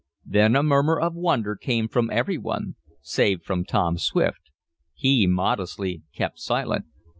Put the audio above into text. Then a murmur of wonder came from every one, save from Tom Swift. He, modestly, kept silent.